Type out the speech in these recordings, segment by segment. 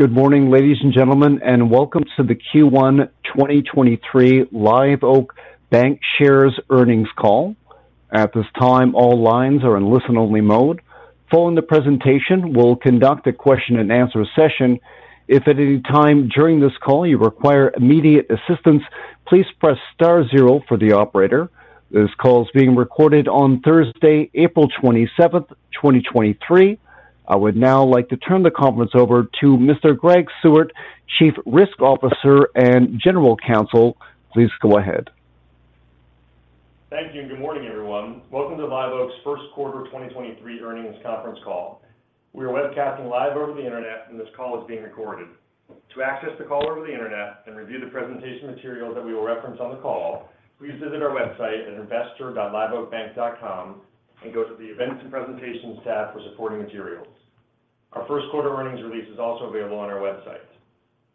Good morning, ladies and gentlemen, welcome to the Q1 2023 Live Oak Bancshares Earnings Call. At this time, all lines are in listen-only mode. Following the presentation, we'll conduct a question-and-answer session. If at any time during this call you require immediate assistance, please press star zero for the operator. This call is being recorded on Thursday, April 27th, 2023. I would now like to turn the conference over to Mr. Greg Seward, Chief Risk Officer and General Counsel. Please go ahead. Thank you. Good morning, everyone. Welcome to Live Oak's first quarter 2023 earnings conference call. We are webcasting live over the Internet. This call is being recorded. To access the call over the Internet and review the presentation material that we will reference on the call, please visit our website at investor.liveoakbank.com and go to the Events and Presentations tab for supporting materials. Our first quarter earnings release is also available on our website.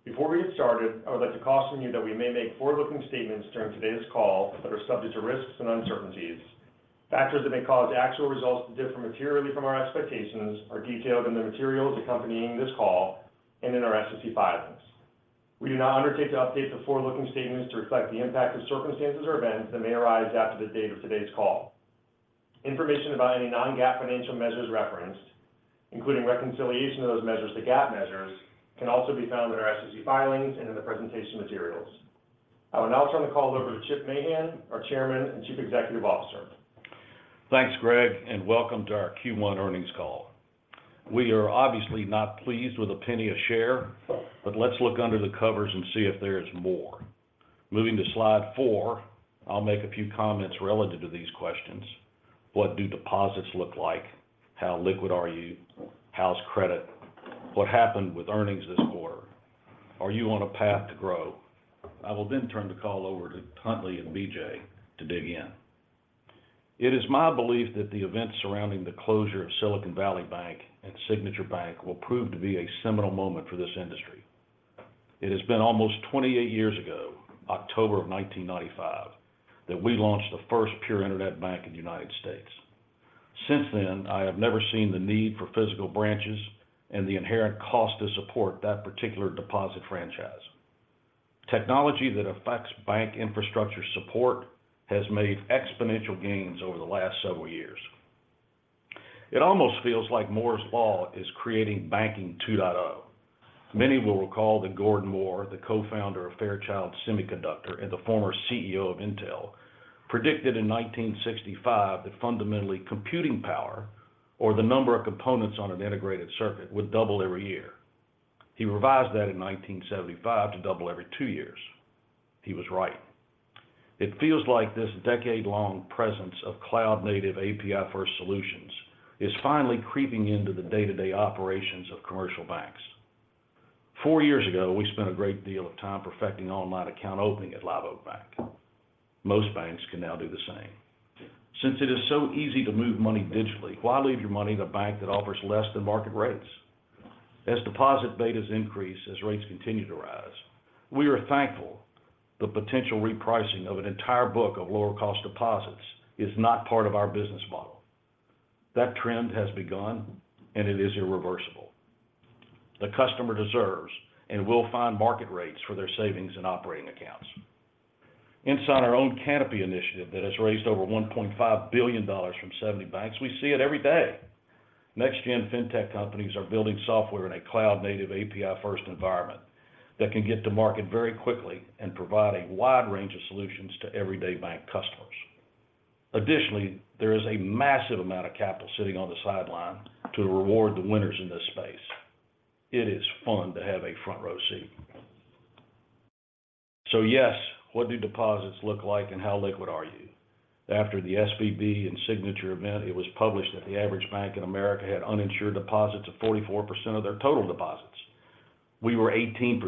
Before we get started, I would like to caution you that we may make forward-looking statements during today's call that are subject to risks and uncertainties. Factors that may cause actual results to differ materially from our expectations are detailed in the materials accompanying this call and in our SEC filings. We do not undertake to update the forward-looking statements to reflect the impact of circumstances or events that may arise after the date of today's call. Information about any non-GAAP financial measures referenced, including reconciliation of those measures to GAAP measures, can also be found in our SEC filings and in the presentation materials. I will now turn the call over to Chip Mahan, our Chairman and Chief Executive Officer. Thanks, Greg, and welcome to our Q1 earnings call. We are obviously not pleased with a $0.01 a share, but let's look under the covers and see if there is more. Moving to slide 4, I'll make a few comments relative to these questions. What do deposits look like? How liquid are you? How's credit? What happened with earnings this quarter? Are you on a path to grow? I will then turn the call over to Huntley and BJ to dig in. It is my belief that the events surrounding the closure of Silicon Valley Bank and Signature Bank will prove to be a seminal moment for this industry. It has been almost 28 years ago, October of 1995, that we launched the first pure internet bank in the United States. Since then, I have never seen the need for physical branches and the inherent cost to support that particular deposit franchise. Technology that affects bank infrastructure support has made exponential gains over the last several years. It almost feels like Moore's Law is creating banking 2.0. Many will recall that Gordon Moore, the co-founder of Fairchild Semiconductor and the former CEO of Intel, predicted in 1965 that fundamentally computing power or the number of components on an integrated circuit would double every year. He revised that in 1975 to double every two years. He was right. It feels like this decade-long presence of cloud-native API-first solutions is finally creeping into the day-to-day operations of commercial banks. four years ago, we spent a great deal of time perfecting online account opening at Live Oak Bank. Most banks can now do the same. Since it is so easy to move money digitally, why leave your money in a bank that offers less than market rates? As deposit betas increase, as rates continue to rise, we are thankful the potential repricing of an entire book of lower-cost deposits is not part of our business model. That trend has begun, and it is irreversible. The customer deserves and will find market rates for their savings and operating accounts. Inside our own Canopy initiative that has raised over $1.5 billion from 70 banks, we see it every day. NextGen fintech companies are building software in a cloud-native API-first environment that can get to market very quickly and provide a wide range of solutions to everyday bank customers. Additionally, there is a massive amount of capital sitting on the sideline to reward the winners in this space. It is fun to have a front row seat. Yes, what do deposits look like and how liquid are you? After the SVB and Signature event, it was published that the average bank in America had uninsured deposits of 44% of their total deposits. We were 18%.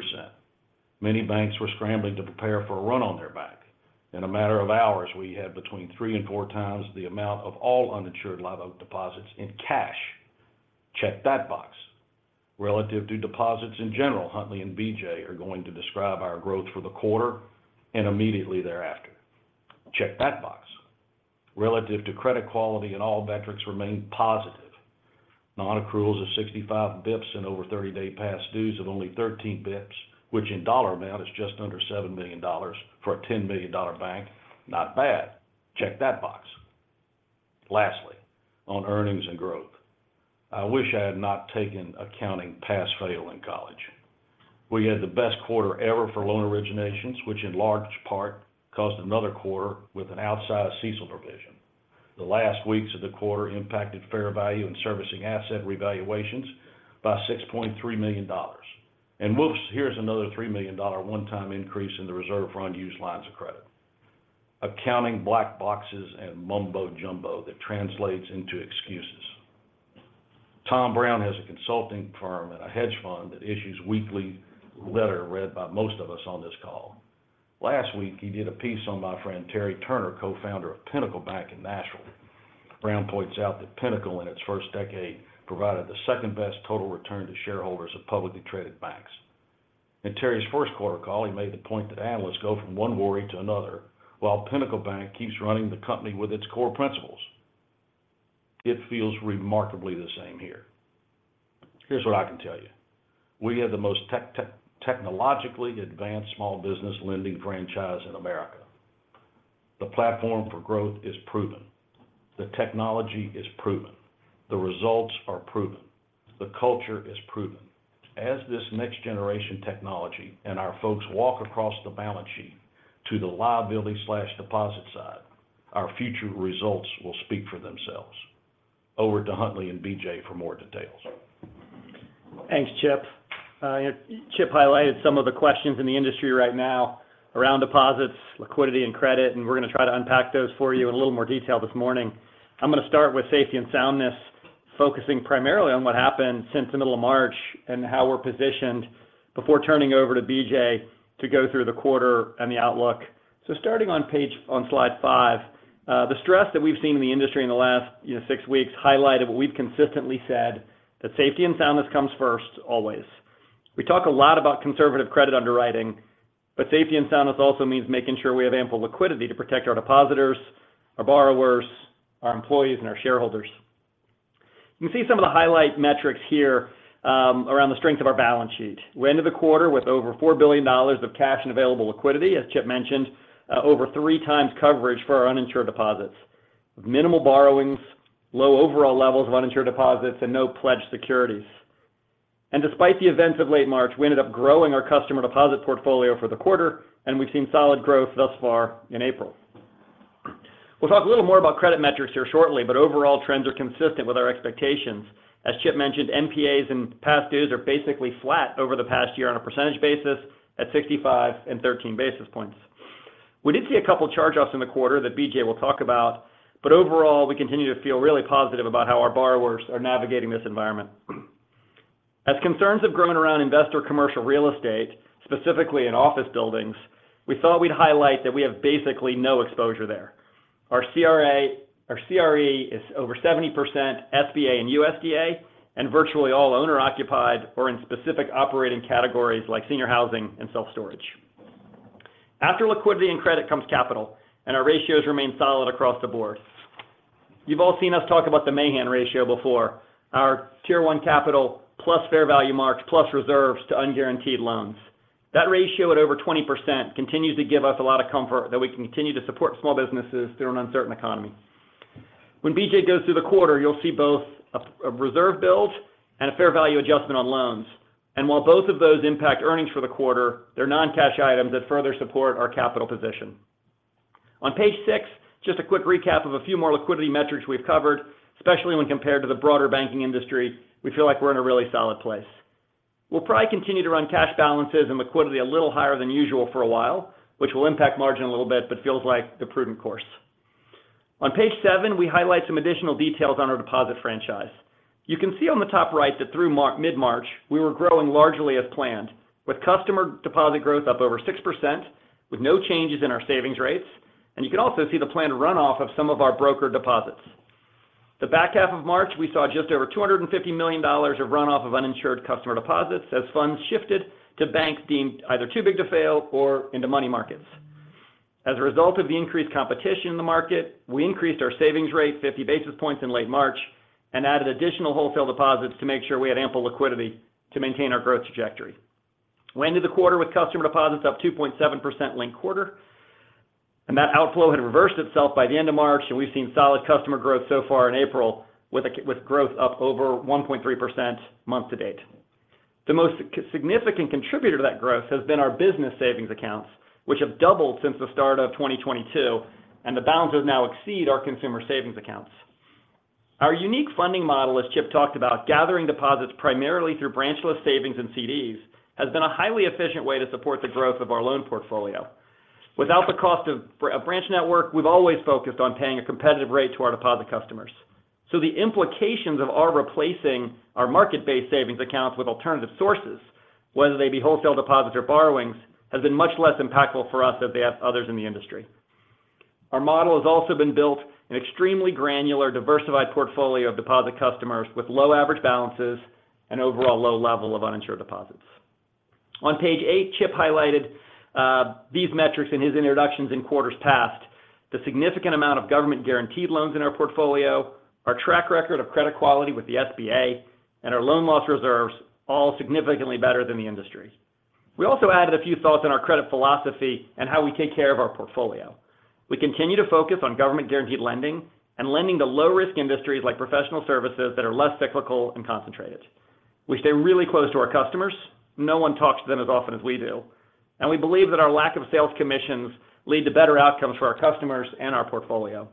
Many banks were scrambling to prepare for a run on their bank. In a matter of hours, we had between 3x and 4x the amount of all uninsured Live Oak deposits in cash. Check that box. Relative to deposits in general, Huntley and BJ are going to describe our growth for the quarter and immediately thereafter. Check that box. Relative to credit quality, all metrics remain positive. Non-accruals of 65 basis points and over 30-day past dues of only 13 basis points, which in dollar amount is just under $7 million for a 10 million dollar bank. Not bad. Check that box. Lastly, on earnings and growth. I wish I had not taken accounting pass-fail in college. We had the best quarter ever for loan originations, which in large part caused another quarter with an outsized CECL provision. The last weeks of the quarter impacted fair value and servicing asset revaluations by $6.3 million. Whoops, here's another $3 million one-time increase in the reserve for unused lines of credit. Accounting black boxes and mumbo jumbo that translates into excuses. Tom Brown has a consulting firm and a hedge fund that issues weekly letter read by most of us on this call. Last week, he did a piece on my friend Terry Turner, co-founder of Pinnacle Bank in Nashville. Brown points out that Pinnacle, in its first decade, provided the second-best total return to shareholders of publicly traded banks. In Terry's first quarter call, he made the point that analysts go from one worry to another while Pinnacle Bank keeps running the company with its core principles. It feels remarkably the same here. Here's what I can tell you. We have the most technologically advanced small business lending franchise in America. The platform for growth is proven. The technology is proven. The results are proven. The culture is proven. As this next-generation technology and our folks walk across the balance sheet to the liability/deposit side, our future results will speak for themselves. Over to Huntley and BJ for more details. Thanks, Chip. Chip highlighted some of the questions in the industry right now around deposits, liquidity, and credit. We're gonna try to unpack those for you in a little more detail this morning. I'm gonna start with safety and soundness, focusing primarily on what happened since the middle of March and how we're positioned before turning over to BJ to go through the quarter and the outlook. Starting on slide 5, the stress that we've seen in the industry in the last, you know, 6 weeks highlighted what we've consistently said, that safety and soundness comes first always. We talk a lot about conservative credit underwriting, but safety and soundness also means making sure we have ample liquidity to protect our depositors, our borrowers, our employees, and our shareholders. You can see some of the highlight metrics here, around the strength of our balance sheet. We ended the quarter with over $4 billion of cash and available liquidity, as Chip mentioned, over 3x coverage for our uninsured deposits, minimal borrowings, low overall levels of uninsured deposits, and no pledged securities. Despite the events of late March, we ended up growing our customer deposit portfolio for the quarter, and we've seen solid growth thus far in April. We'll talk a little more about credit metrics here shortly, but overall trends are consistent with our expectations. As Chip mentioned, NPAs and past dues are basically flat over the past year on a percentage basis at 65 and 13 basis points. We did see a couple charge-offs in the quarter that BJ will talk about, but overall, we continue to feel really positive about how our borrowers are navigating this environment. As concerns have grown around investor commercial real estate, specifically in office buildings, we thought we'd highlight that we have basically no exposure there. Our CRE is over 70% SBA and USDA, and virtually all owner-occupied or in specific operating categories like senior housing and self-storage. After liquidity and credit comes capital, and our ratios remain solid across the board. You've all seen us talk about the Mahan ratio before, our Tier 1 Capital, plus fair value marks, plus reserves to unguaranteed loans. That ratio at over 20% continues to give us a lot of comfort that we can continue to support small businesses through an uncertain economy. When BJ goes through the quarter, you'll see both a reserve build and a fair value adjustment on loans. While both of those impact earnings for the quarter, they're non-cash items that further support our capital position. On page six, just a quick recap of a few more liquidity metrics we've covered, especially when compared to the broader banking industry. We feel like we're in a really solid place. We'll probably continue to run cash balances and liquidity a little higher than usual for a while, which will impact margin a little bit, but feels like the prudent course. On page seven, we highlight some additional details on our deposit franchise. You can see on the top right that through mid-March, we were growing largely as planned, with customer deposit growth up over 6% with no changes in our savings rates. You can also see the planned runoff of some of our broker deposits. The back half of March, we saw just over $250 million of runoff of uninsured customer deposits as funds shifted to banks deemed either too big to fail or into money markets. As a result of the increased competition in the market, we increased our savings rate fifty basis points in late March and added additional wholesale deposits to make sure we had ample liquidity to maintain our growth trajectory. We ended the quarter with customer deposits up 2.7% linked quarter, and that outflow had reversed itself by the end of March, and we've seen solid customer growth so far in April with growth up over 1.3% month to date. The most significant contributor to that growth has been our business savings accounts, which have doubled since the start of 2022, the balances now exceed our consumer savings accounts. Our unique funding model, as Chip talked about, gathering deposits primarily through branchless savings and CDs, has been a highly efficient way to support the growth of our loan portfolio. Without the cost of a branch network, we've always focused on paying a competitive rate to our deposit customers. The implications of our replacing our market-based savings accounts with alternative sources, whether they be wholesale deposits or borrowings, has been much less impactful for us as they have others in the industry. Our model has also been built an extremely granular, diversified portfolio of deposit customers with low average balances and overall low level of uninsured deposits. On page 8, Chip Mahan highlighted these metrics in his introductions in quarters past. The significant amount of government-guaranteed loans in our portfolio, our track record of credit quality with the SBA, and our loan loss reserves, all significantly better than the industry. We also added a few thoughts on our credit philosophy and how we take care of our portfolio. We continue to focus on government-guaranteed lending and lending to low-risk industries like professional services that are less cyclical and concentrated. We stay really close to our customers. No one talks to them as often as we do. We believe that our lack of sales commissions lead to better outcomes for our customers and our portfolio.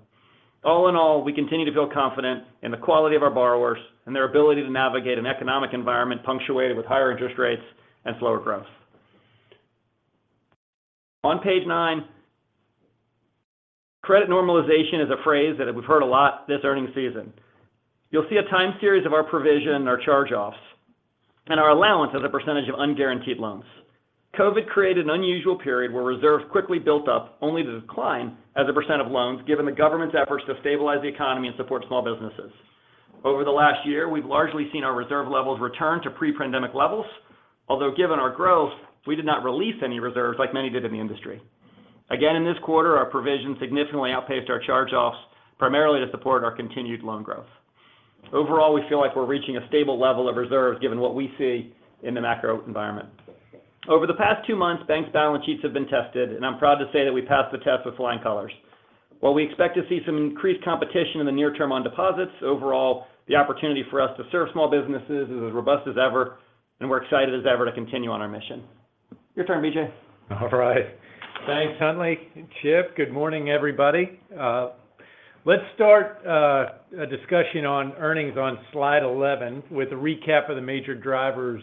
All in all, we continue to feel confident in the quality of our borrowers and their ability to navigate an economic environment punctuated with higher interest rates and slower growth. On page nine, credit normalization is a phrase that we've heard a lot this earnings season. You'll see a time series of our provision, our charge-offs, and our allowance as a percentage of unguaranteed loans. COVID created an unusual period where reserves quickly built up only to decline as a percentage of loans, given the government's efforts to stabilize the economy and support small businesses. Over the last year, we've largely seen our reserve levels return to pre-pandemic levels, although given our growth, we did not release any reserves like many did in the industry. Again, in this quarter, our provision significantly outpaced our charge-offs primarily to support our continued loan growth. Overall, we feel like we're reaching a stable level of reserves given what we see in the macro environment. Over the past two months, banks' balance sheets have been tested, and I'm proud to say that we passed the test with flying colors. While we expect to see some increased competition in the near term on deposits, overall, the opportunity for us to serve small businesses is as robust as ever, and we're excited as ever to continue on our mission. Your turn, BJ. All right. Thanks, Huntley and Chip. Good morning, everybody. Let's start a discussion on earnings on slide 11 with a recap of the major drivers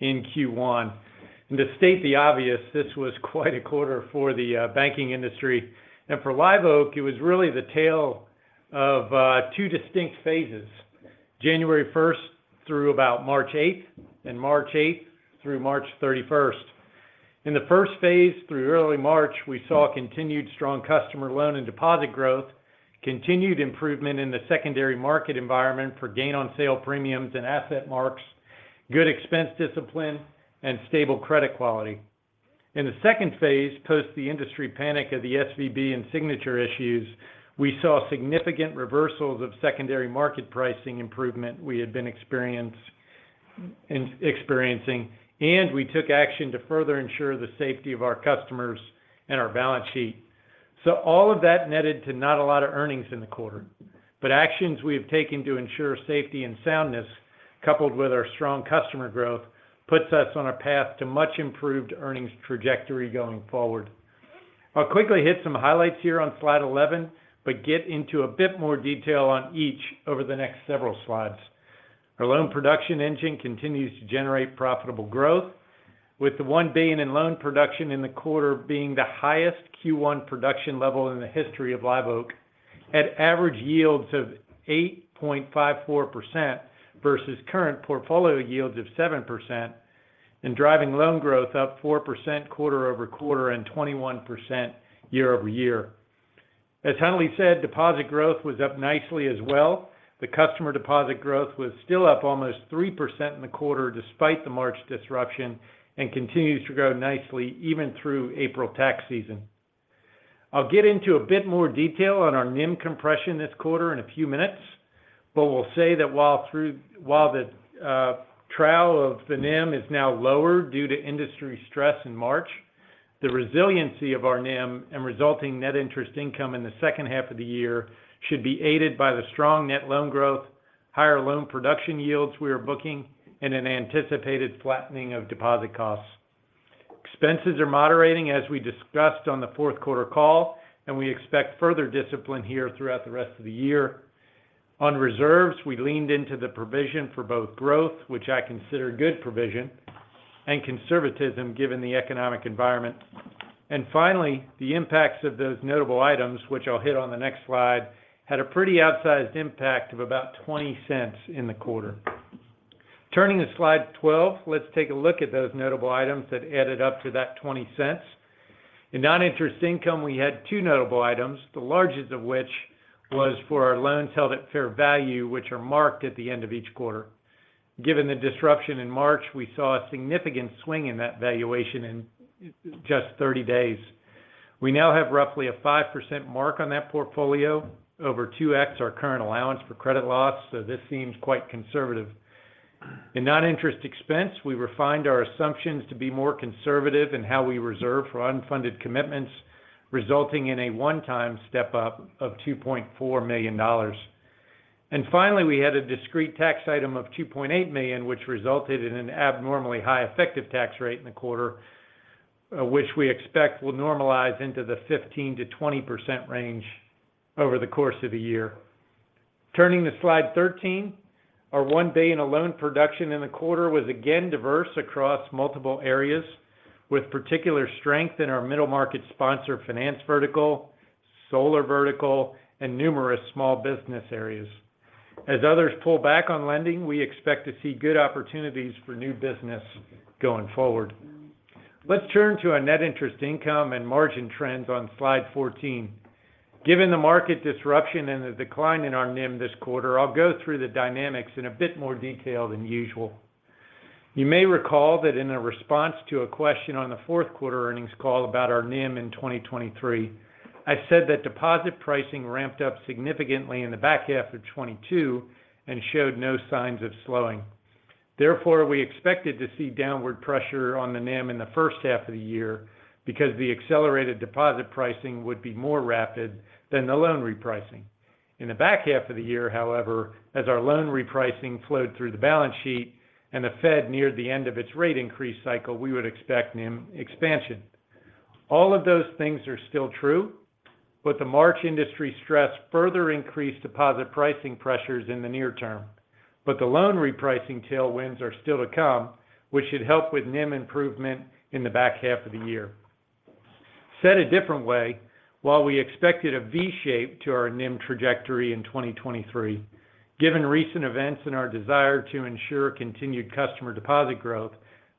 in Q1. To state the obvious, this was quite a quarter for the banking industry. For Live Oak, it was really the tale of two distinct phases, January 1st through about March 8th, and March 8th through March 31st. In the first phase through early March, we saw continued strong customer loan and deposit growth, continued improvement in the secondary market environment for gain on sale premiums and asset marks, good expense discipline, and stable credit quality. In the second phase, post the industry panic of the SVB and Signature Bank issues, we saw significant reversals of secondary market pricing improvement we had been experiencing, and we took action to further ensure the safety of our customers and our balance sheet. All of that netted to not a lot of earnings in the quarter. Actions we have taken to ensure safety and soundness, coupled with our strong customer growth, puts us on a path to much improved earnings trajectory going forward. I'll quickly hit some highlights here on slide 11, but get into a bit more detail on each over the next several slides. Our loan production engine continues to generate profitable growth, with the $1 billion in loan production in the quarter being the highest Q1 production level in the history of Live Oak at average yields of 8.54% versus current portfolio yields of 7% and driving loan growth up 4% quarter-over-quarter and 21% year-over-year. As Huntley said, deposit growth was up nicely as well. The customer deposit growth was still up almost 3% in the quarter despite the March disruption, and continues to grow nicely even through April tax season. I'll get into a bit more detail on our NIM compression this quarter in a few minutes, but we'll say that while the trial of the NIM is now lower due to industry stress in March, the resiliency of our NIM and resulting net interest income in the second half of the year should be aided by the strong net loan growth, higher loan production yields we are booking, and an anticipated flattening of deposit costs. Expenses are moderating as we discussed on the fourth quarter call, we expect further discipline here throughout the rest of the year. On reserves, we leaned into the provision for both growth, which I consider good provision, and conservatism given the economic environment. Finally, the impacts of those notable items, which I'll hit on the next slide, had a pretty outsized impact of about $0.20 in the quarter. Turning to slide 12, let's take a look at those notable items that added up to that $0.20. In non-interest income, we had two notable items, the largest of which was for our loans held at fair value, which are marked at the end of each quarter. Given the disruption in March, we saw a significant swing in that valuation in just 30 days. We now have roughly a 5% mark on that portfolio over 2x our current allowance for credit losses, so this seems quite conservative. In non-interest expense, we refined our assumptions to be more conservative in how we reserve for unfunded commitments, resulting in a one-time step-up of $2.4 million. Finally, we had a discrete tax item of $2.8 million, which resulted in an abnormally high effective tax rate in the quarter, which we expect will normalize into the 15%-20% range over the course of the year. Turning to slide 13, our one day in a loan production in the quarter was again diverse across multiple areas with particular strength in our middle market sponsor finance vertical, solar vertical, and numerous small business areas. As others pull back on lending, we expect to see good opportunities for new business going forward. Let's turn to our net interest income and margin trends on slide 14. Given the market disruption and the decline in our NIM this quarter, I'll go through the dynamics in a bit more detail than usual. You may recall that in a response to a question on the fourth quarter earnings call about our NIM in 2023, I said that deposit pricing ramped up significantly in the back half of 2022 and showed no signs of slowing. We expected to see downward pressure on the NIM in the first half of the year because the accelerated deposit pricing would be more rapid than the loan repricing. In the back half of the year, however, as our loan repricing flowed through the balance sheet and the Fed neared the end of its rate increase cycle, we would expect NIM expansion. All of those things are still true, but the March industry stress further increased deposit pricing pressures in the near term. The loan repricing tailwinds are still to come, which should help with NIM improvement in the back half of the year. Said a different way, while we expected a V shape to our NIM trajectory in 2023, given recent events and our desire to ensure continued customer deposit growth,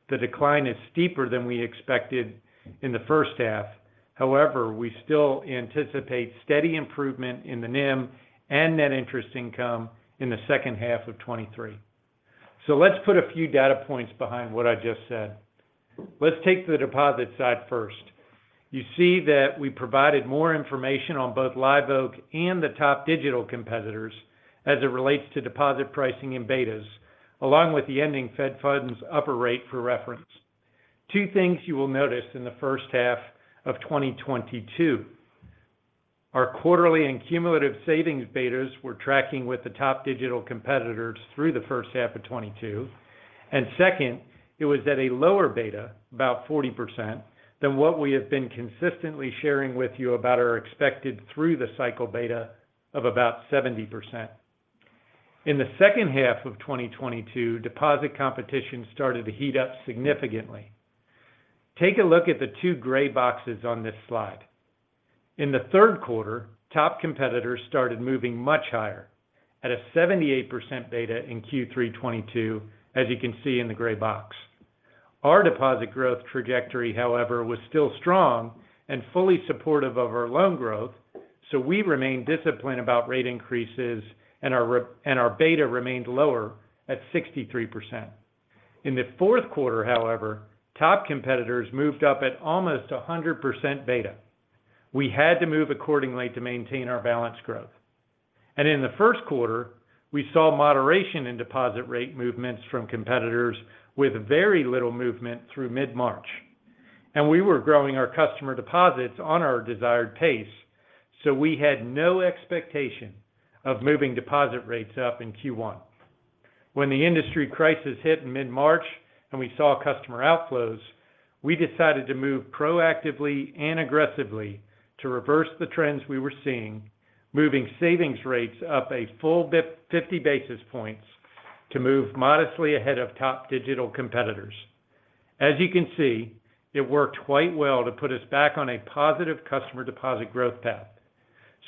the decline is steeper than we expected in the first half. However, we still anticipate steady improvement in the NIM and net interest income in the second half of 2023. Let's put a few data points behind what I just said. Let's take the deposit side first. You see that we provided more information on both Live Oak and the top digital competitors as it relates to deposit pricing and betas, along with the ending Fed funds upper rate for reference. Two things you will notice in the first half of 2022. Our quarterly and cumulative savings betas were tracking with the top digital competitors through the first half of 2022. Second, it was at a lower beta, about 40%, than what we have been consistently sharing with you about our expected through-the-cycle beta of about 70%. In the second half of 2022, deposit competition started to heat up significantly. Take a look at the two gray boxes on this slide. In the third quarter, top competitors started moving much higher at a 78% beta in Q3 2022, as you can see in the gray box. Our deposit growth trajectory, however, was still strong and fully supportive of our loan growth, we remained disciplined about rate increases and our beta remained lower at 63%. In the fourth quarter, however, top competitors moved up at almost a 100% beta. We had to move accordingly to maintain our balance growth. In the 1st quarter, we saw moderation in deposit rate movements from competitors with very little movement through mid-March. We were growing our customer deposits on our desired pace, so we had no expectation of moving deposit rates up in Q1. When the industry crisis hit in mid-March and we saw customer outflows, we decided to move proactively and aggressively to reverse the trends we were seeing, moving savings rates up a full 50 basis points to move modestly ahead of top digital competitors. As you can see, it worked quite well to put us back on a positive customer deposit growth path.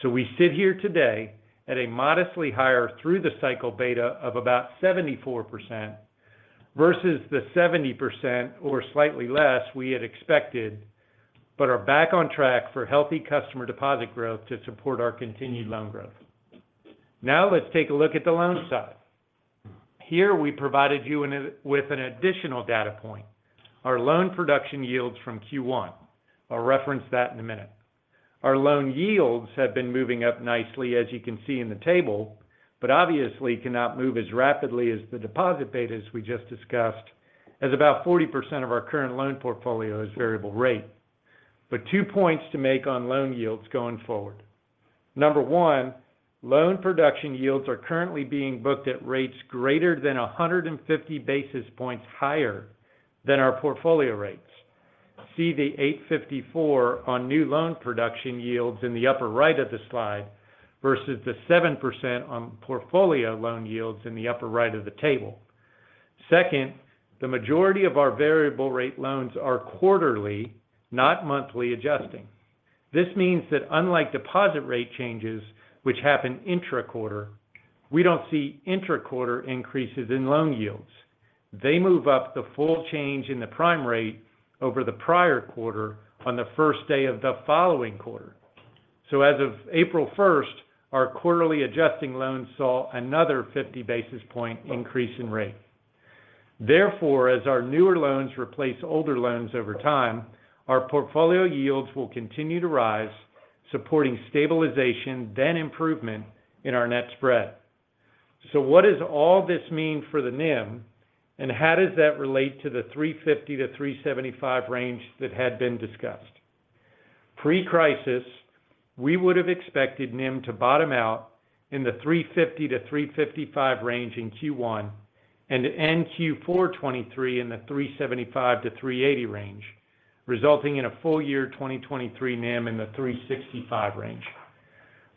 We sit here today at a modestly higher through the cycle beta of about 74% versus the 70% or slightly less we had expected, but are back on track for healthy customer deposit growth to support our continued loan growth. Let's take a look at the loan side. Here we provided you with an additional data point, our loan production yields from Q1. I'll reference that in a minute. Our loan yields have been moving up nicely as you can see in the table, but obviously cannot move as rapidly as the deposit betas we just discussed as about 40% of our current loan portfolio is variable rate. Two points to make on loan yields going forward. Number one, loan production yields are currently being booked at rates greater than 150 basis points higher than our portfolio rates. See the 8.54% on new loan production yields in the upper right of the slide versus the 7% on portfolio loan yields in the upper right of the table. The majority of our variable rate loans are quarterly, not monthly adjusting. This means that unlike deposit rate changes, which happen intra-quarter, we don't see intra-quarter increases in loan yields. They move up the full change in the prime rate over the prior quarter on the first day of the following quarter. As of April first, our quarterly adjusting loans saw another 50 basis point increase in rate. Therefore, as our newer loans replace older loans over time, our portfolio yields will continue to rise, supporting stabilization then improvement in our net spread. What does all this mean for the NIM, and how does that relate to the 350-375 range that had been discussed? Pre-crisis, we would have expected NIM to bottom out in the 3.50%-3.55% range in Q1 and to end Q4 2023 in the 3.75%-3.80% range, resulting in a full year 2023 NIM in the 3.65% range.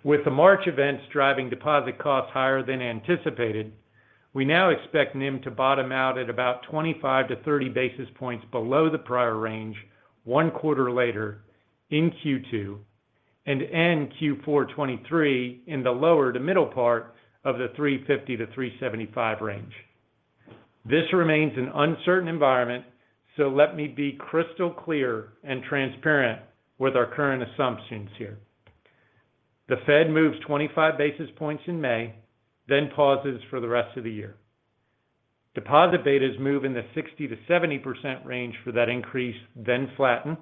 With the March events driving deposit costs higher than anticipated, we now expect NIM to bottom out at about 25-30 basis points below the prior range one quarter later in Q2 and end Q4 2023 in the lower to middle part of the 3.50%-3.75% range. This remains an uncertain environment. Let me be crystal clear and transparent with our current assumptions here. The Fed moves 25 basis points in May. Pauses for the rest of the year. Deposit betas move in the 60%-70% range for that increase. Flatten.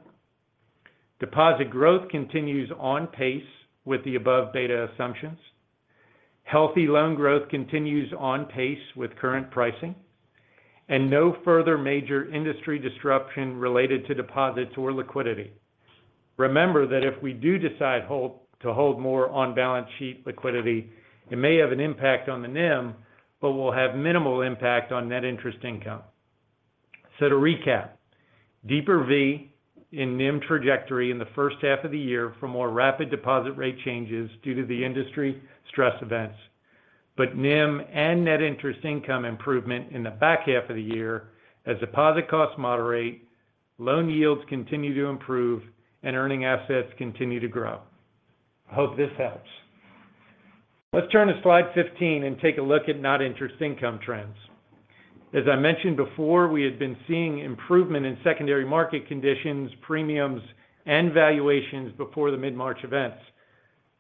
Deposit growth continues on pace with the above beta assumptions. Healthy loan growth continues on pace with current pricing. No further major industry disruption related to deposits or liquidity. Remember that if we do decide to hold more on balance sheet liquidity, it may have an impact on the NIM, but will have minimal impact on net interest income. To recap, deeper V in NIM trajectory in the first half of the year for more rapid deposit rate changes due to the industry stress events. NIM and net interest income improvement in the back half of the year as deposit costs moderate, loan yields continue to improve, and earning assets continue to grow. I hope this helps. Let's turn to slide 15 and take a look at net interest income trends. As I mentioned before, we had been seeing improvement in secondary market conditions, premiums, and valuations before the mid-March events.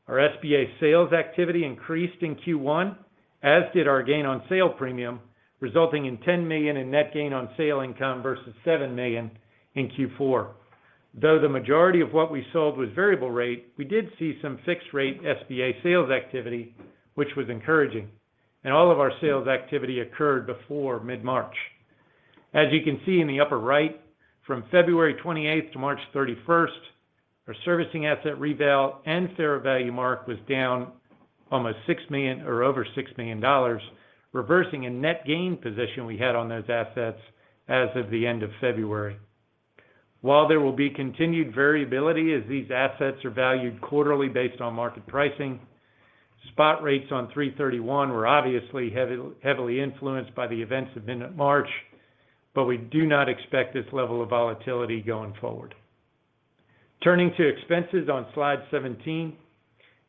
Our SBA sales activity increased in Q1, as did our gain on sale premium, resulting in $10 million in net gain on sale income versus $7 million in Q4. Though the majority of what we sold was variable rate, we did see some fixed-rate SBA sales activity, which was encouraging. All of our sales activity occurred before mid-March. As you can see in the upper right, from February 28 to March 31, our servicing asset reval and fair value mark was down almost $6 million or over $6 million, reversing a net gain position we had on those assets as of the end of February. While there will be continued variability as these assets are valued quarterly based on market pricing, spot rates on 3/31 were obviously heavily influenced by the events of mid-March. We do not expect this level of volatility going forward. Turning to expenses on slide 17.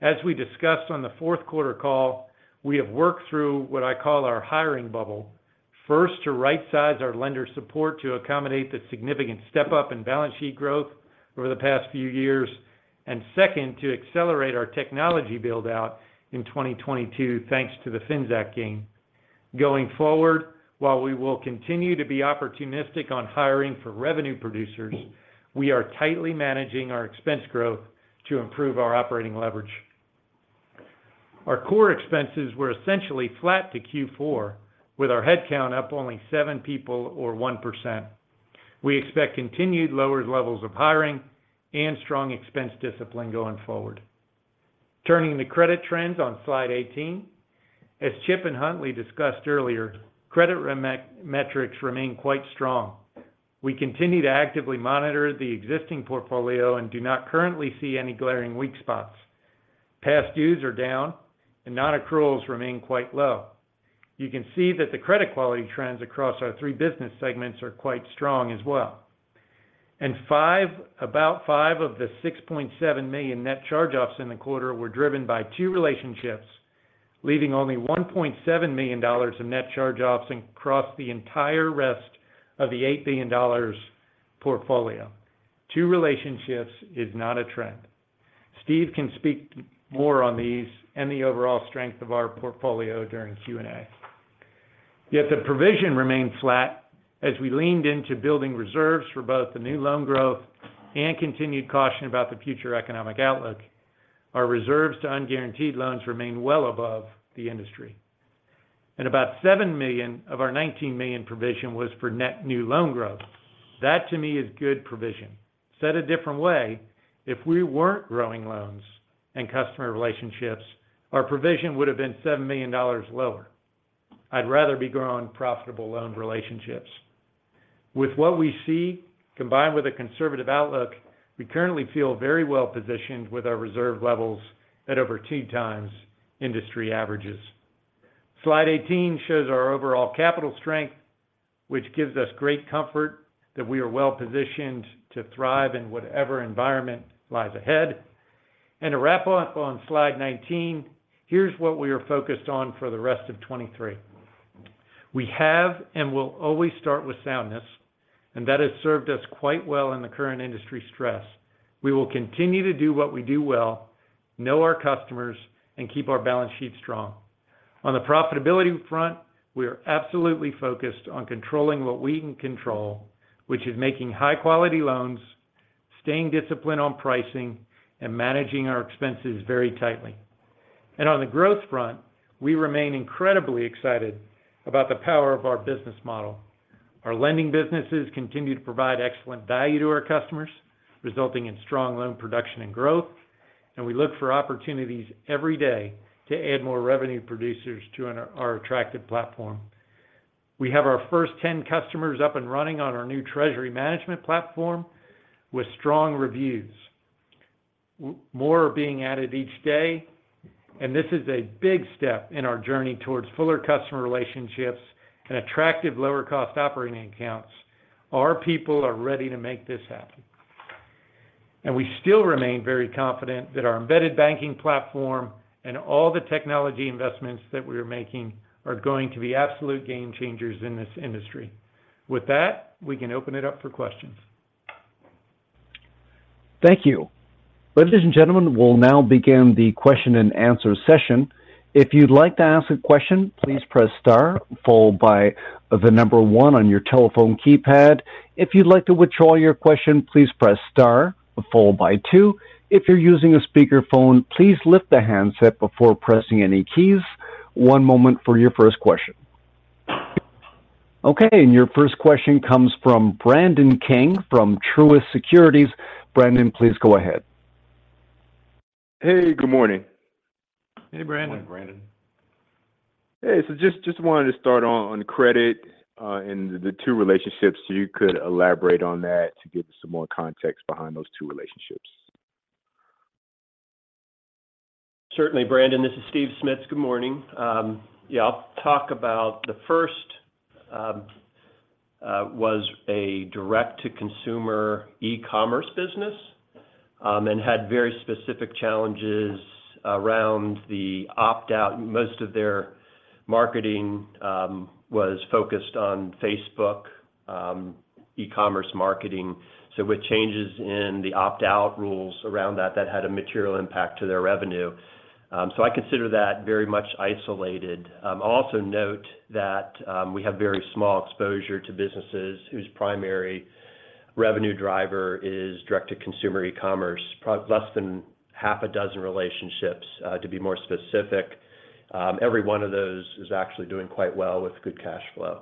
As we discussed on the fourth quarter call, we have worked through what I call our hiring bubble. First, to rightsize our lender support to accommodate the significant step up in balance sheet growth over the past few years. Second, to accelerate our technology build-out in 2022, thanks to the FinTech gain. Going forward, while we will continue to be opportunistic on hiring for revenue producers, we are tightly managing our expense growth to improve our operating leverage. Our core expenses were essentially flat to Q4, with our head count up only seven people or 1%. We expect continued lower levels of hiring and strong expense discipline going forward. Turning to credit trends on slide 18. As Chip and Huntley discussed earlier, credit metrics remain quite strong. We continue to actively monitor the existing portfolio and do not currently see any glaring weak spots. Past dues are down and non-accruals remain quite low. You can see that the credit quality trends across our 3 business segments are quite strong as well. About 5 of the $6.7 million net charge-offs in the quarter were driven by 2 relationships, leaving only $1.7 million in net charge-offs across the entire rest of the $8 billion portfolio. 2 relationships is not a trend. Steve can speak more on these and the overall strength of our portfolio during the Q&A. Yet the provision remained flat as we leaned into building reserves for both the new loan growth and continued caution about the future economic outlook. Our reserves to unguaranteed loans remain well above the industry. About $7 million of our $19 million provision was for net new loan growth. That to me is good provision. Said a different way, if we weren't growing loans and customer relationships, our provision would have been $7 million lower. I'd rather be growing profitable loan relationships. With what we see, combined with a conservative outlook, we currently feel very well positioned with our reserve levels at over 2x industry averages. Slide 18 shows our overall capital strength, which gives us great comfort that we are well-positioned to thrive in whatever environment lies ahead. To wrap up on slide 19, here's what we are focused on for the rest of 2023. We have and will always start with soundness, and that has served us quite well in the current industry stress. We will continue to do what we do well, know our customers, and keep our balance sheet strong. On the profitability front, we are absolutely focused on controlling what we can control, which is making high-quality loans, staying disciplined on pricing, and managing our expenses very tightly. On the growth front, we remain incredibly excited about the power of our business model. Our lending businesses continue to provide excellent value to our customers, resulting in strong loan production and growth, and we look for opportunities every day to add more revenue producers to our attractive platform. We have our first 10 customers up and running on our new treasury management platform with strong reviews. More are being added each day. This is a big step in our journey towards fuller customer relationships and attractive lower cost operating accounts. Our people are ready to make this happen. We still remain very confident that our embedded banking platform and all the technology investments that we are making are going to be absolute game changers in this industry. With that, we can open it up for questions. Thank you. Ladies and gentlemen, we'll now begin the question and answer session. If you'd like to ask a question, please press star followed by one on your telephone keypad. If you'd like to withdraw your question, please press star followed by two. If you're using a speakerphone, please lift the handset before pressing any keys. One moment for your first question. Okay, your first question comes from Brandon King from Truist Securities. Brandon, please go ahead. Hey, good morning. Hey, Brandon. Morning, Brandon. Just wanted to start on credit and the two relationships. If you could elaborate on that to give some more context behind those two relationships. Certainly, Brandon. This is Steve Smits. Good morning. Yeah, I'll talk about the first was a direct to consumer e-commerce business, had very specific challenges around the opt-out. Most of their marketing was focused on Facebook. E-commerce marketing. With changes in the opt-out rules around that had a material impact to their revenue. I consider that very much isolated. I'll also note that we have very small exposure to businesses whose primary revenue driver is direct-to-consumer e-commerce. Less than half a dozen relationships, to be more specific. Every one of those is actually doing quite well with good cash flow.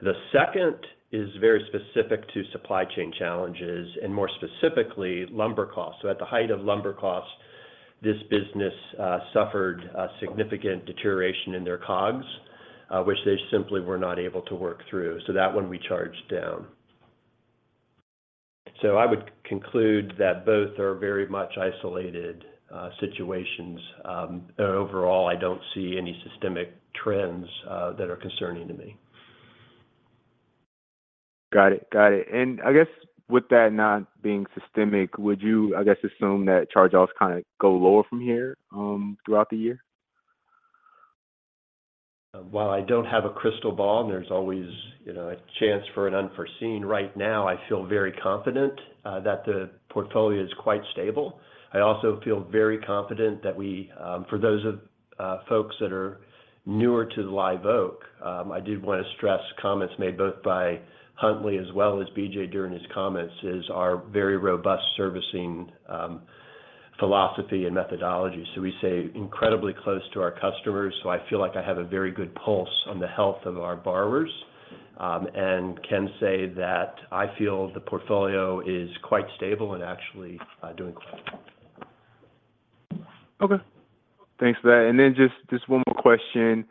The second is very specific to supply chain challenges and more specifically, lumber costs. At the height of lumber costs, this business suffered a significant deterioration in their COGS, which they simply were not able to work through. That one we charged down. I would conclude that both are very much isolated situations. Overall, I don't see any systemic trends that are concerning to me. Got it. Got it. I guess with that not being systemic, would you, I guess, assume that charge-offs kind of go lower from here, throughout the year? While I don't have a crystal ball, and there's always, you know, a chance for an unforeseen, right now I feel very confident that the portfolio is quite stable. I also feel very confident that we for those of folks that are newer to Live Oak, I did want to stress comments made both by Huntley as well as BJ during his comments, is our very robust servicing philosophy and methodology. We stay incredibly close to our customers, so I feel like I have a very good pulse on the health of our borrowers, and can say that I feel the portfolio is quite stable and actually doing quite well. Okay. Thanks for that. Just one more question.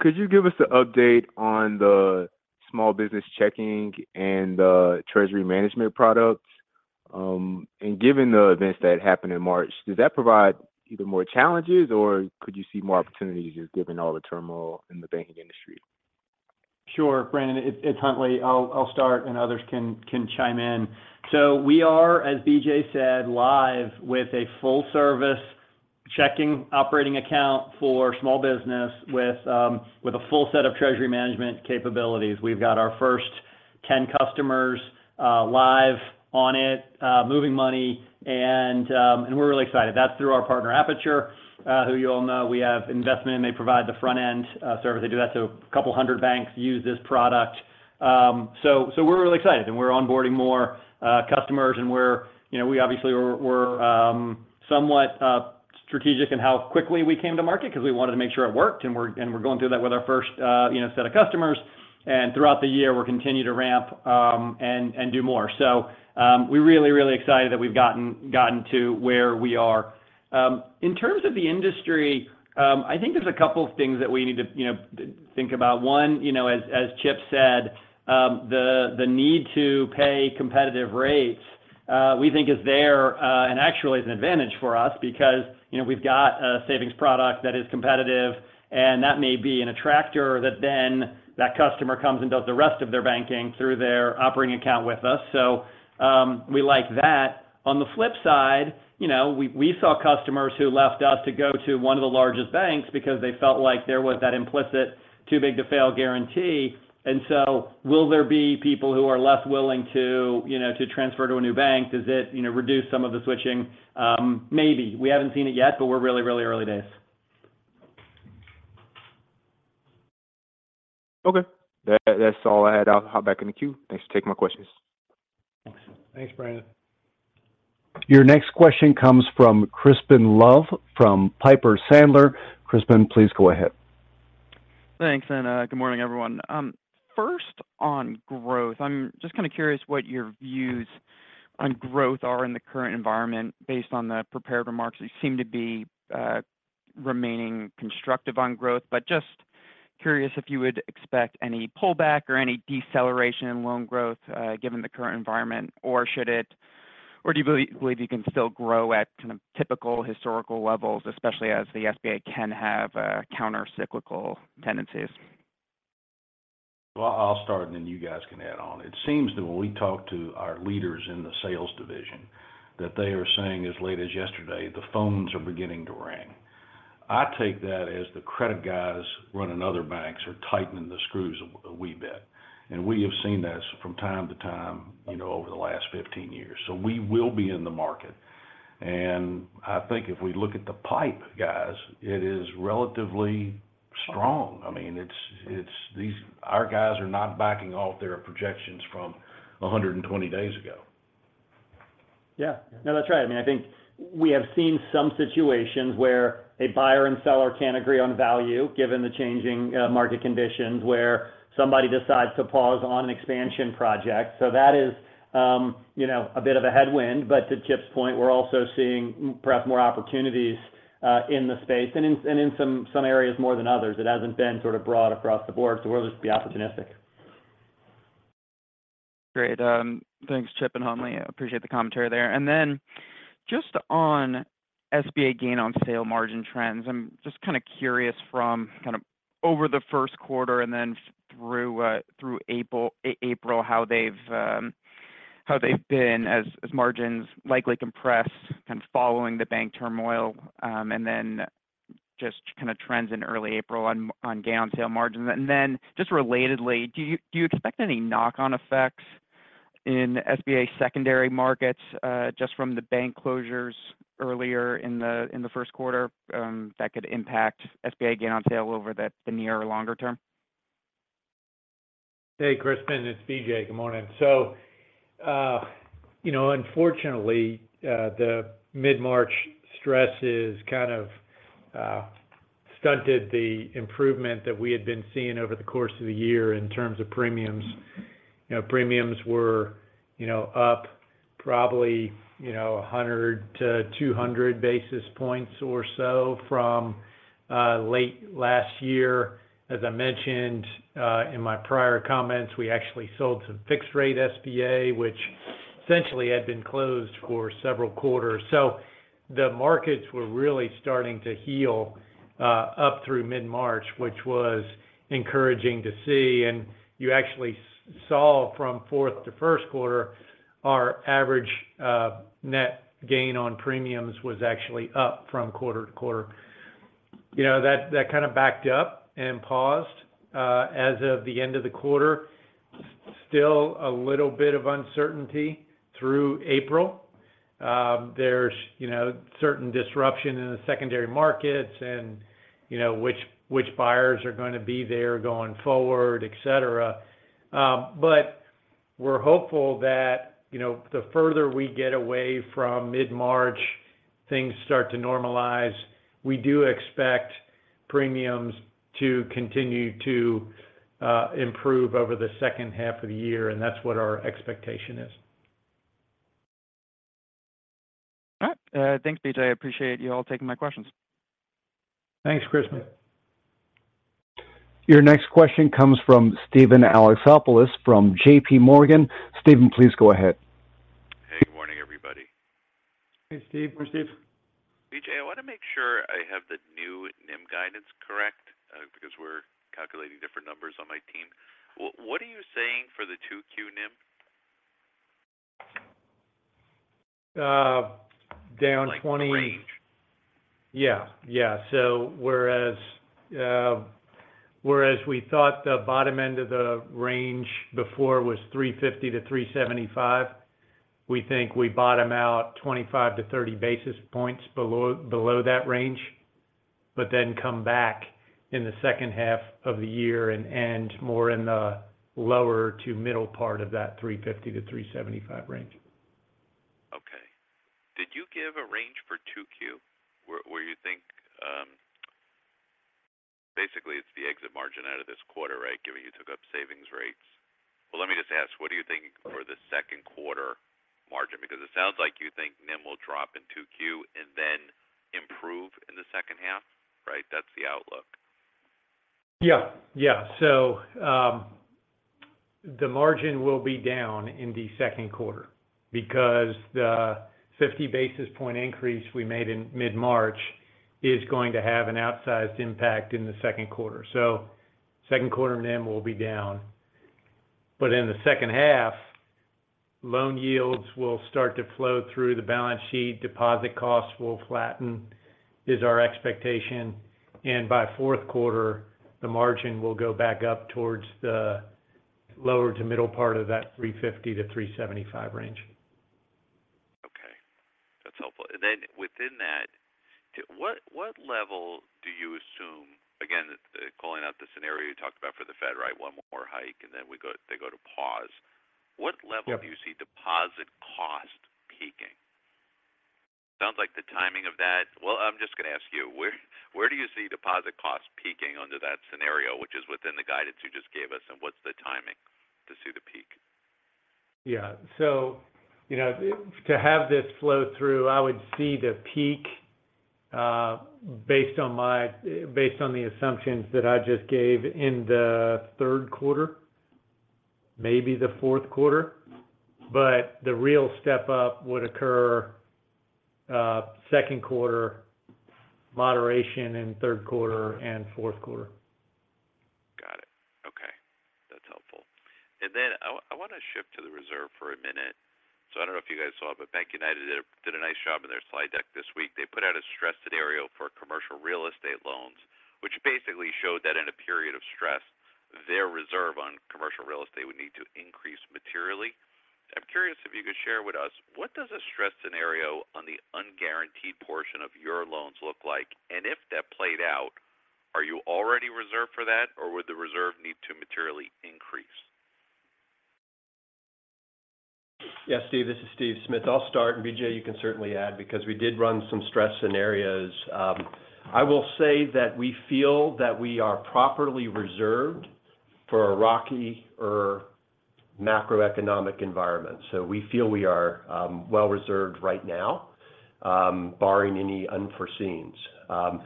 Could you give us an update on the small business checking and the treasury management products? Given the events that happened in March, does that provide either more challenges, or could you see more opportunities just given all the turmoil in the banking industry? Sure, Brandon. It's Huntley. I'll start and others can chime in. We are, as BJ said, live with a full service checking operating account for small business with a full set of treasury management capabilities. We've got our first 10 customers live on it, moving money, and we're really excited. That's through our partner Apiture, who you all know we have investment in. They provide the front end service. They do that, a couple 100 banks use this product. We're really excited, and we're onboarding more customers and we're, you know, we obviously were somewhat strategic in how quickly we came to market because we wanted to make sure it worked and we're going through that with our first, you know, set of customers. Throughout the year, we'll continue to ramp, and do more. We're really excited that we've gotten to where we are. In terms of the industry, I think there's a couple of things that we need to, you know, think about. One, you know, as Chip said, the need to pay competitive rates, we think is there, and actually is an advantage for us because, you know, we've got a savings product that is competitive, and that may be an attractor that then that customer comes and does the rest of their banking through their operating account with us. We like that. On the flip side, you know, we saw customers who left us to go to one of the largest banks because they felt like there was that implicit too big to fail guarantee. Will there be people who are less willing to, you know, to transfer to a new bank? Does it, you know, reduce some of the switching? Maybe. We haven't seen it yet, but we're really early days. Okay. That's all I had. I'll hop back in the queue. Thanks for taking my questions. Thanks. Thanks, Brandon. Your next question comes from Crispin Love from Piper Sandler. Crispin, please go ahead. Thanks, good morning, everyone. First on growth. I'm just kind of curious what your views on growth are in the current environment based on the prepared remarks. You seem to be remaining constructive on growth. Just curious if you would expect any pullback or any deceleration in loan growth given the current environment, or do you believe you can still grow at kind of typical historical levels, especially as the SBA can have counter-cyclical tendencies? Well, I'll start and then you guys can add on. It seems that when we talk to our leaders in the sales division, that they are saying as late as yesterday, the phones are beginning to ring. I take that as the credit guys running other banks are tightening the screws a wee bit. We have seen this from time to time, you know, over the last 15 years. We will be in the market. I think if we look at the pipe guys, it is relatively strong. I mean, our guys are not backing off their projections from 120 days ago. Yeah. No, that's right. I mean, I think we have seen some situations where a buyer and seller can't agree on value given the changing market conditions where somebody decides to pause on an expansion project. That is, you know, a bit of a headwind. To Chip's point, we're also seeing perhaps more opportunities in the space and in some areas more than others. It hasn't been sort of broad across the board. We'll just be opportunistic. Great. Thanks, Chip and Huntley. I appreciate the commentary there. Just on SBA gain on sale margin trends, I'm just kind of curious from kind of over the first quarter and then through April, how they've been as margins likely compress kind of following the bank turmoil. Just kind of trends in early April on gain on sale margins. Relatedly, do you expect any knock-on effects in SBA secondary markets, just from the bank closures earlier in the first quarter, that could impact SBA gain on sale over the near or longer term? Hey Crispin, it's BJ. Good morning. You know, unfortunately, the mid-March stresses kind of stunted the improvement that we had been seeing over the course of the year in terms of premiums. You know, premiums were, you know, up probably, you know, 100 to 200 basis points or so from late last year. As I mentioned, in my prior comments, we actually sold some fixed rate SBA, which essentially had been closed for several quarters. The markets were really starting to heal up through mid-March, which was encouraging to see. You actually saw from fourth to first quarter, our average net gain on premiums was actually up from quarter to quarter. You know, that kind of backed up and paused as of the end of the quarter. Still a little bit of uncertainty through April. There's, you know, certain disruption in the secondary markets and, you know, which buyers are going to be there going forward, et cetera. We're hopeful that, you know, the further we get away from mid-March, things start to normalize. We do expect premiums to continue to improve over the second half of the year, and that's what our expectation is. All right. Thanks BJ. I appreciate you all taking my questions. Thanks, Crispin. Your next question comes from Steven Alexopoulos from JP Morgan. Steven, please go ahead. Hey, good morning, everybody. Hey, Steve. Good morning, Steve. BJ, I want to make sure I have the new NIM guidance correct, because we're calculating different numbers on my team. What are you saying for the two Q NIM? down twenty- Like the range. Yeah. Yeah. Whereas we thought the bottom end of the range before was 350 to 375, we think we bottom out 25 to 30 basis points below that range, come back in the second half of the year and end more in the lower to middle part of that 350 to 375 range. Did you give a range for two Q where you think, basically it's the exit margin out of this quarter, right? Given you took up savings rates. Let me just ask, what do you think for the second quarter margin? It sounds like you think NIM will drop in two Q and then improve in the second half, right? That's the outlook. Yeah. Yeah. The margin will be down in the second quarter because the 50 basis point increase we made in mid-March is going to have an outsized impact in the second quarter. Second quarter NIM will be down. In the second half, loan yields will start to flow through the balance sheet, deposit costs will flatten, is our expectation. By fourth quarter, the margin will go back up towards the lower to middle part of that 350 to 375 range. Okay. That's helpful. Then within that, what level do you assume, again, calling out the scenario you talked about for the Fed, right? One more hike, and then they go to pause. Yeah. What level do you see deposit cost peaking? Sounds like the timing of that... I'm just going to ask you, where do you see deposit costs peaking under that scenario, which is within the guidance you just gave us, and what's the timing to see the peak? Yeah. You know, to have this flow through, I would see the peak, based on the assumptions that I just gave in the third quarter, maybe the fourth quarter. The real step up would occur, second quarter, moderation in third quarter and fourth quarter. Got it. Okay. That's helpful. I want to shift to the reserve for a minute. I don't know if you guys saw, but BankUnited did a, did a nice job in their slide deck this week. They put out a stress scenario for Commercial Real Estate loans, which basically showed that in a period of stress, their reserve on Commercial Real Estate would need to increase materially. I'm curious if you could share with us what does a stress scenario on the unguaranteed portion of your loans look like? If that played out, are you already reserved for that or would the reserve need to materially increase? Yeah, Steve, this is Steve Smits. I'll start, BJ, you can certainly add because we did run some stress scenarios. I will say that we feel that we are properly reserved for a rockier macroeconomic environment. We feel we are well reserved right now, barring any unforeseens.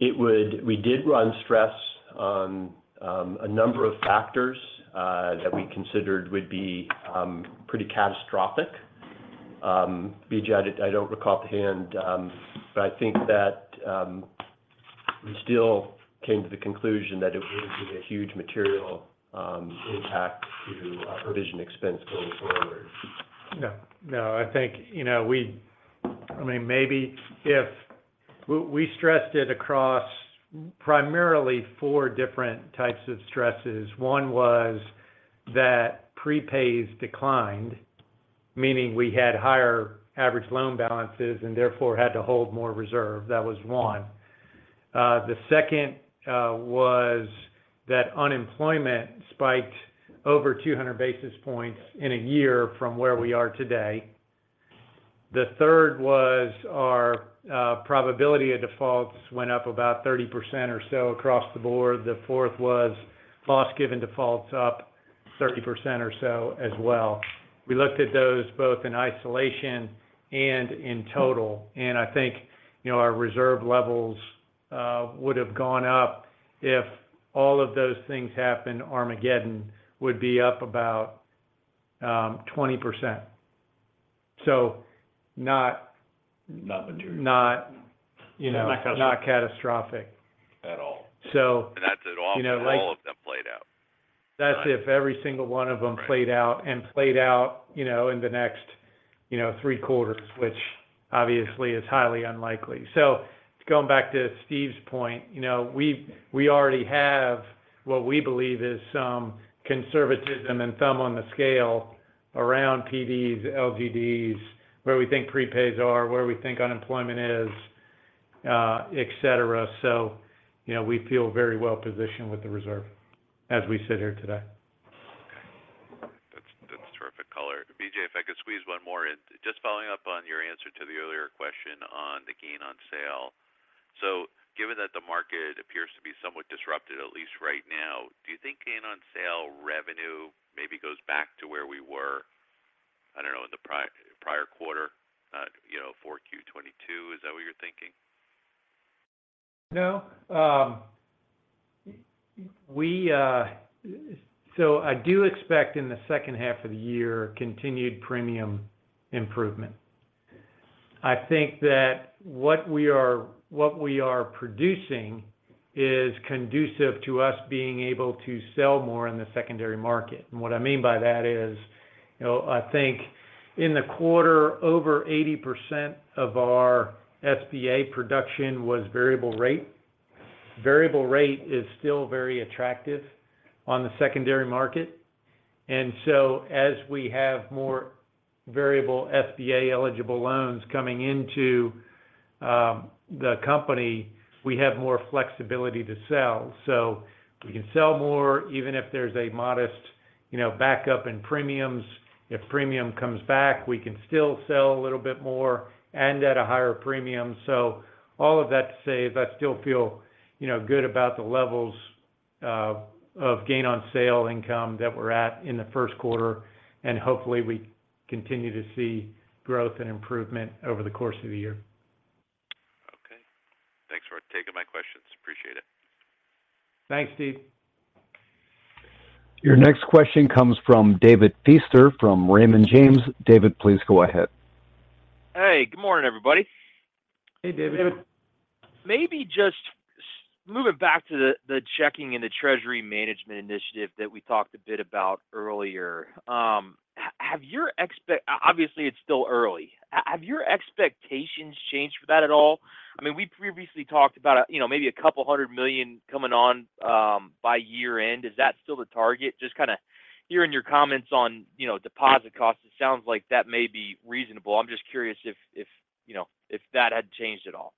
We did run stress on a number of factors that we considered would be pretty catastrophic. BJ, I don't recall offhand, but I think that we still came to the conclusion that it wouldn't be a huge material impact to our provision expense going forward. No, no. I think, you know, I mean, maybe if we stressed it across primarily four different types of stresses. One was that prepays declined, meaning we had higher average loan balances and therefore had to hold more reserve. That was one. The second was that unemployment spiked over 200 basis points in a year from where we are today. The third was our Probabilities of Default went up about 30% or so across the board. The fourth was Loss Given Defaults up 30% or so as well. We looked at those both in isolation and in total. I think, you know, our reserve levels would have gone up if all of those things happened. Armageddon would be up about 20%. not. Not material. not, you know. Not catastrophic. not catastrophic. At all. So- That's at all, if all of them played out. That's if every single one of them- Right... played out, you know, in the next, you know, three quarters, which obviously is highly unlikely. Going back to Steve's point, you know, we already have what we believe is some conservatism and thumb on the scale around PDs, LGDs, where we think prepays are, where we think unemployment is, et cetera. You know, we feel very well-positioned with the reserve as we sit here today. Okay. That's terrific color. BJ, if I could squeeze one more in. Just following up on your answer to the earlier question on the gain on sale. Given that the market appears to be somewhat disrupted, at least right now, do you think gain on sale revenue maybe goes back to where we were, I don't know, in the prior quarter, you know, 4Q 2022? Is that what you're thinking? We do expect in the second half of the year continued premium improvement. I think that what we are, what we are producing is conducive to us being able to sell more in the secondary market. What I mean by that is, you know, I think in the quarter over 80% of our SBA production was variable rate. Variable rate is still very attractive on the secondary market. As we have more variable SBA-eligible loans coming into the company, we have more flexibility to sell. We can sell more even if there's a modest, you know, backup in premiums. If premium comes back, we can still sell a little bit more and at a higher premium. All of that to say is I still feel, you know, good about the levels of gain on sale income that we're at in the first quarter, and hopefully we continue to see growth and improvement over the course of the year. Okay. Thanks for taking my questions. Appreciate it. Thanks, Steve. Your next question comes from David Feaster from Raymond James. David, please go ahead. Hey, good morning, everybody. Hey, David. David. Maybe just moving back to the checking and the treasury management initiative that we talked a bit about earlier. Obviously, it's still early. Have your expectations changed for that at all? I mean, we previously talked about, you know, maybe $200 million coming on by year-end. Is that still the target? Just kinda hearing your comments on, you know, deposit costs, it sounds like that may be reasonable. I'm just curious if, you know, if that had changed at all.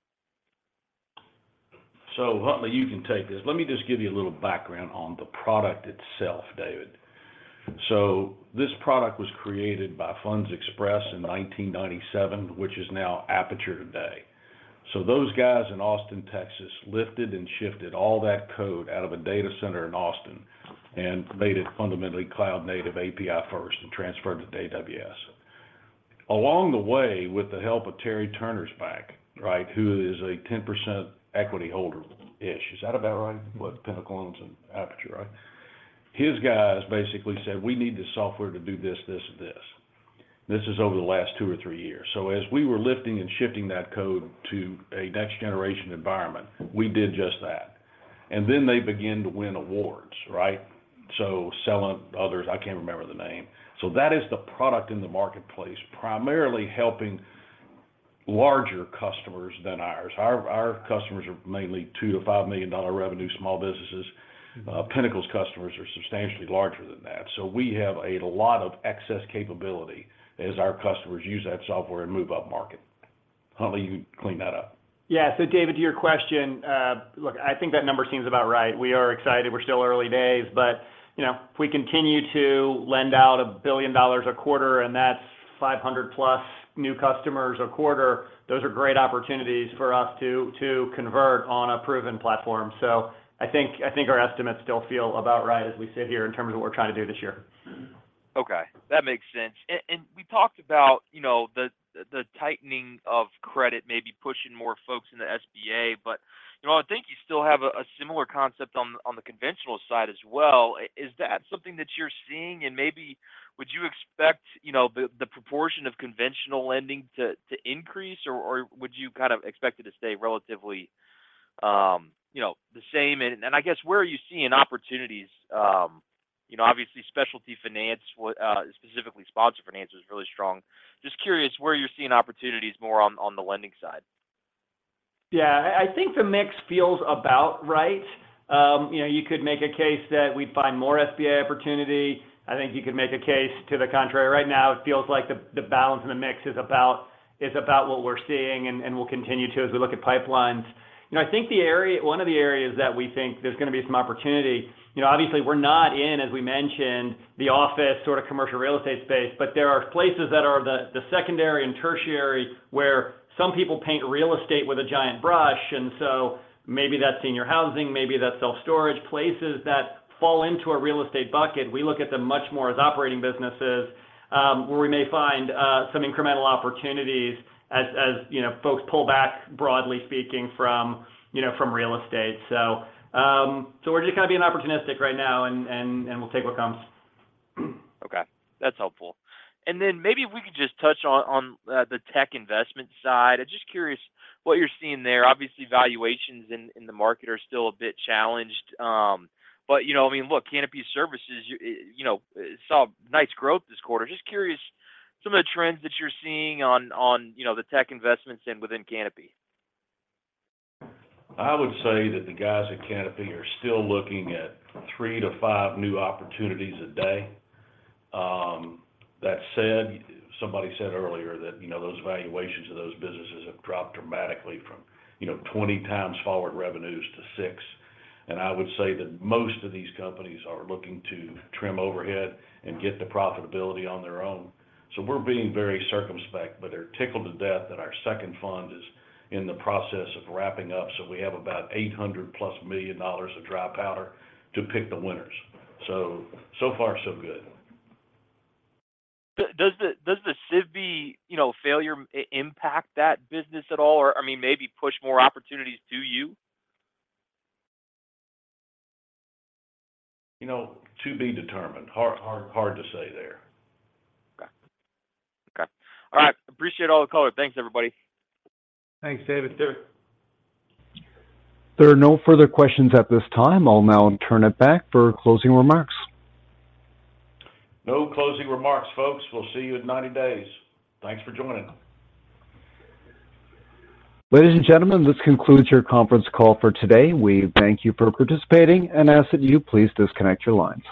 Huntley, you can take this. Let me just give you a little background on the product itself, David. This product was created by FundsXpress in 1997, which is now Apiture today. Those guys in Austin, Texas lifted and shifted all that code out of a data center in Austin and made it fundamentally cloud-native API-first and transferred to AWS. Along the way, with the help of Terry Turner, right, who is a 10% equity holder-ish. Is that about right? What Pinnacle owns and Apiture, right? His guys basically said, "We need the software to do this and this." This is over the last two or three years. As we were lifting and shifting that code to a next generation environment, we did just that. Then they begin to win awards, right? Celent, others, I can't remember the name. That is the product in the marketplace, primarily helping larger customers than ours. Our, our customers are mainly $2 million-$5 million revenue small businesses. Pinnacle's customers are substantially larger than that. We have a lot of excess capability as our customers use that software and move upmarket. Huntley, you clean that up. David, to your question, look, I think that number seems about right. We are excited. We're still early days, but you know, if we continue to lend out $1 billion a quarter, and that's 500+ new customers a quarter, those are great opportunities for us to convert on a proven platform. I think our estimates still feel about right as we sit here in terms of what we're trying to do this year. Okay, that makes sense. We talked about, you know, the tightening of credit maybe pushing more folks in the SBA. You know, I think you still have a similar concept on the conventional side as well. Is that something that you're seeing? Maybe would you expect, you know, the proportionConventional lending to increase or would you kind of expect it to stay relatively, you know, the same? I guess, where are you seeing opportunities? You know, obviously, specialty finance specifically sponsored finance is really strong. Just curious where you're seeing opportunities more on the lending side. I think the mix feels about right. You could make a case that we'd find more SBA opportunity. I think you could make a case to the contrary. Right now, it feels like the balance in the mix is about what we're seeing and will continue to as we look at pipelines. I think one of the areas that we think there's gonna be some opportunity. Obviously, we're not in, as we mentioned, the office sort of commercial real estate space, but there are places that are the secondary and tertiary where some people paint real estate with a giant brush, and so maybe that's senior housing, maybe that's self-storage. Places that fall into a real estate bucket, we look at them much more as operating businesses, where we may find, some incremental opportunities as, you know, folks pull back, broadly speaking, from real estate. We're just kind of being opportunistic right now and we'll take what comes. Okay. That's helpful. Then maybe we could just touch on the tech investment side. I'm just curious what you're seeing there. Obviously, valuations in the market are still a bit challenged. You know what I mean? Look, Canopy Services, you know, saw nice growth this quarter. Just curious some of the trends that you're seeing on, you know, the tech investments and within Canopy. I would say that the guys at Canapi are still looking at three to five new opportunities a day. That said, somebody said earlier that, you know, those valuations of those businesses have dropped dramatically from, you know, 20 times forward revenues to 6. I would say that most of these companies are looking to trim overhead and get the profitability on their own. We're being very circumspect, but they're tickled to death that our second fund is in the process of wrapping up. We have about $800+ million of dry powder to pick the winners. So far so good. Does the SIVB, you know, failure impact that business at all? I mean, maybe push more opportunities to you? You know, to be determined. Hard to say there. Okay. All right. Appreciate all the color. Thanks, everybody. Thanks, David. Sure. There are no further questions at this time. I'll now turn it back for closing remarks. No closing remarks, folks. We'll see you in 90 days. Thanks for joining. Ladies and gentlemen, this concludes your conference call for today. We thank you for participating and ask that you please disconnect your lines.